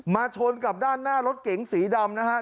มาชนกับด้านหน้ารถเก๋งสีดำ